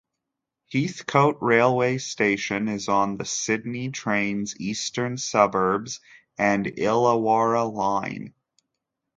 Heathcote railway station is on the Sydney Trains Eastern Suburbs and Illawarra Line.